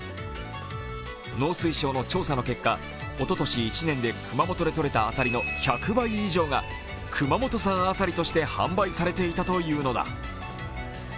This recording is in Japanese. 農水省の調査の結果おととし１年で熊本でとれたあさりの１００倍以上が熊本産あさりとして販売されていたというのだ。